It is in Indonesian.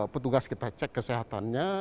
petugas kita cek kesehatannya